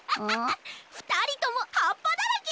ふたりともはっぱだらけ！